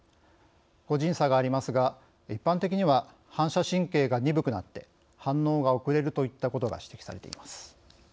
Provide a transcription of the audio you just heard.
個人差がありますが一般的には反射神経が鈍くなって反応が遅れるといったことが指摘されています。